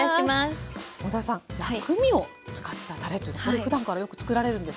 小田さん薬味を使ったたれというとふだんからよく作られるんですか？